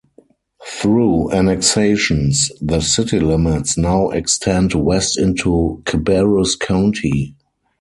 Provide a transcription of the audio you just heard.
Through annexations, the city limits now extend west into Cabarrus County.